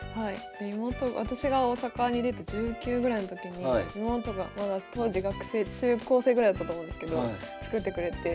私が大阪に出て１９ぐらいの時に妹がまだ当時学生中高生ぐらいだったと思うんですけど作ってくれて。